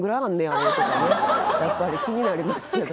やっぱり気になりますけど。